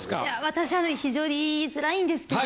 私あの非常に言いづらいんですけど。